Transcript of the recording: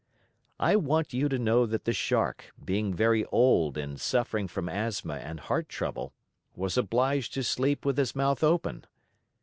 I want you to know that the Shark, being very old and suffering from asthma and heart trouble, was obliged to sleep with his mouth open.